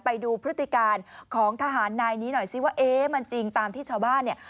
ไปดูพฤติการของทหารนายนี้หน่อยซิว่าเอ๊ะมันจริงตามที่ชาวบ้านเนี่ย